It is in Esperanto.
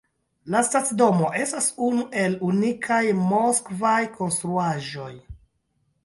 La stacidomo estas unu el unikaj moskvaj konstruaĵoj.